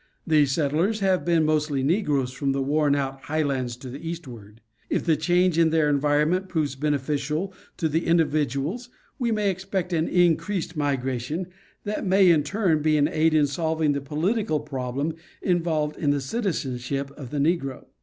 These settlers have been mostly negroes from the worn out high lands to the eastward. If the change in their environment proves beneficial to the individ ual we may expect an increased migration, that may in turn be an aid in solving the political problem involved in the citizenship of the negro.